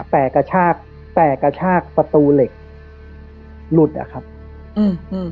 แต่กระชากแตกกระชากประตูเหล็กหลุดอ่ะครับอืมอืม